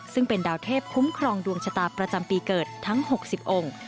ซึ่งเป็นดาวเทพคุ้มครองดวงชะตาประจำปีเกิดทั้ง๖๐องค์